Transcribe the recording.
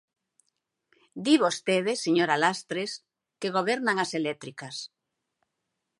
Di vostede, señora Lastres, que gobernan as eléctricas.